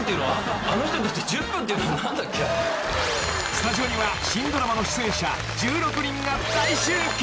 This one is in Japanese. ［スタジオには新ドラマの出演者１６人が大集結］